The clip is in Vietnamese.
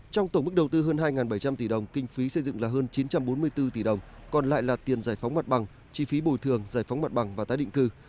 trong tổng mức đầu tư hơn hai bảy trăm linh tỷ đồng kinh phí xây dựng là hơn chín trăm bốn mươi bốn tỷ đồng còn lại là tiền giải phóng mặt bằng chi phí bồi thường giải phóng mặt bằng và tái định cư